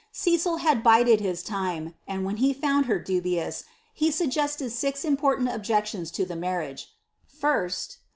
Cecil had bided his time ; and when he found her dubiow he suggested six important objections to the marriage.* 1st.